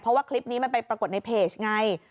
เพราะว่าคลิปนี้มันไปปรากฏในเพจไง